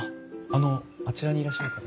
あちらにいらっしゃる方。